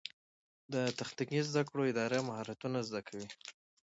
د تخنیکي زده کړو اداره مهارتونه زده کوي